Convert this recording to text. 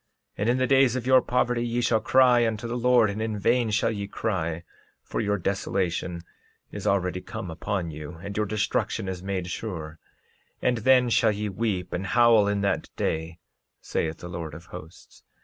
13:32 And in the days of your poverty ye shall cry unto the Lord; and in vain shall ye cry, for your desolation is already come upon you, and your destruction is made sure; and then shall ye weep and howl in that day, saith the Lord of Hosts.